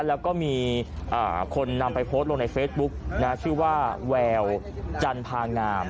แล้วก็มีคนนำไปโพสต์ลงในเฟซบุ๊กชื่อว่าแววจันพางาม